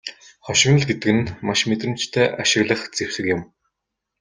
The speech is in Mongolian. Хошигнол гэдэг нь маш мэдрэмжтэй ашиглах зэвсэг юм.